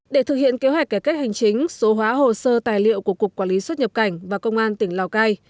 để thực hiện kế hoạch cải cách hành chính số hóa hồ sơ tài liệu của cục quản lý xuất nhập cảnh và công an tỉnh lào cai